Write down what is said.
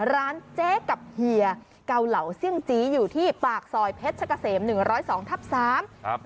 ร้านเจ๊กับเฮียเก่าเหล่าเซี่ยงจี๋อยู่ที่ปากซอยเพชรเกษม๑๐๒ทับ๓